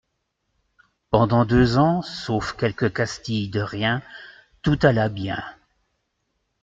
Pendant deux ans, sauf quelques castilles de rien, tout alla bien.